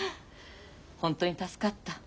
本当に助かった。